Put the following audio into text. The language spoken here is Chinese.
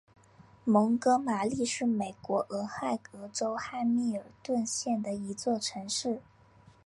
蒙哥马利是美国俄亥俄州汉密尔顿县的一座城市。